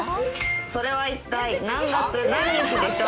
それは一体、何月何日でしょう。